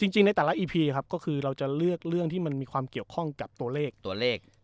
ในแต่ละอีพีครับก็คือเราจะเลือกเรื่องที่มันมีความเกี่ยวข้องกับตัวเลขตัวเลข